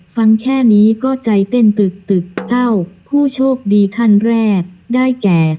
ฟังแค่นี้ก็ใจเต้นตึกตึกเอ้าผู้โชคดีขั้นแรกได้แก่